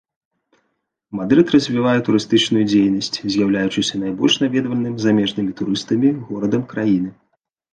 Мадрыд развівае турыстычную дзейнасць, з'яўляючыся найбольш наведвальным замежнымі турыстамі горадам краіны.